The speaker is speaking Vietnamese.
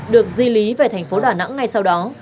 được di lý về thành phố đà nẵng ngay sau đó